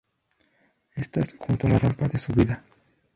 Estas, junto a la rampa de subida.